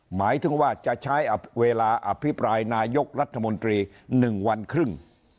หมายถึงว่าจะใช้เวลาอภิปรายนายกรัฐมนตรี๑วันครึ่ง